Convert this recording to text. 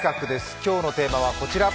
今日のテーマはこちら。